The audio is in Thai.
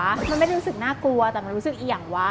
มันไม่รู้สึกน่ากลัวแต่มันรู้สึกอีกอย่างว่า